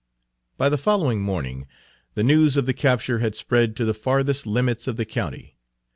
By the following morning the news of the capture had spread to the farthest limits of the county.